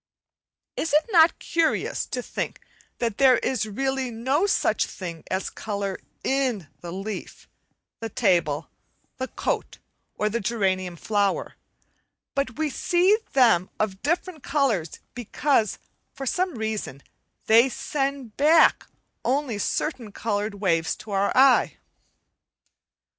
Is it not curious to think that there is really no such thing as colour in the leaf, the table, the coat, or the geranium flower, but we see them of different colours because, for some reason, they send back only certain coloured waves to our eye?